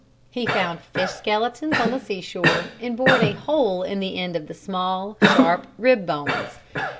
He found fish skeletons on the seashore and bored a hole in the end of the small, sharp rib bones.